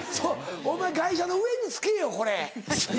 お前外車の上に付けようこれ。